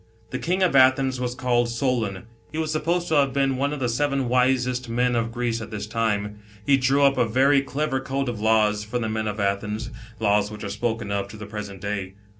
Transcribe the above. The King of Athens was called Solon ; he was supposed to have been one of the seven wisest men of Greece at this time. He drew up a very clever code of laws for the men of Athens, lays which are spoken of, to the present day.